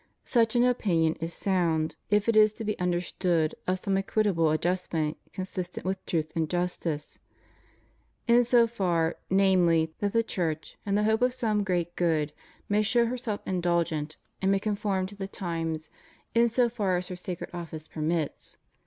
Such an opinion is sound, if it is to be understood of some equitable adjustment consistent with truth and justice; in so far, namely, that the Church, in the hope of some great good, may show herself indulgent, and may conform to the times in so far as her sacred office permits.